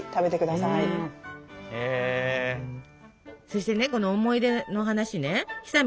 そしてねこの思い出の話ねひさ